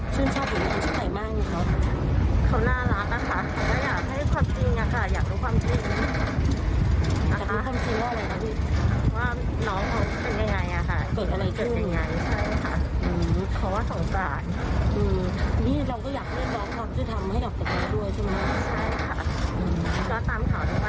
ใช่ค่ะก็ตามข่าวทุกวันนอนไม่หลับเลย